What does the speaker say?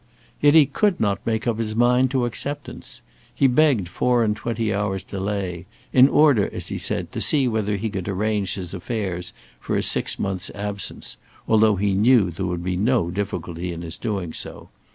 Yet he could not make up his mind to acceptance. He begged four and twenty hours' delay, in order, as he said, to see whether he could arrange his affairs for a six months' absence, although he knew there would be no difficulty in his doing so.